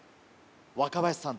若林さん